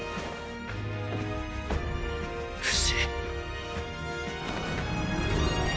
フシ。